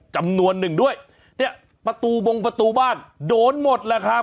จำนวนหนึ่งด้วยเนี่ยประตูบงประตูบ้านโดนหมดแหละครับ